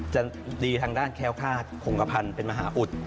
จะดีทางด้านแค้วคาดขงกระพันธ์เป็นมหาอุด